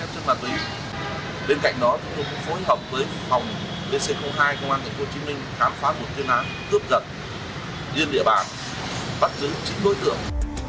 bên cạnh đó chúng tôi cũng phối hợp với phòng dc hai công an tp hcm khám phá một chuyên án cướp giật liên địa bàn bắt giữ chín đối tượng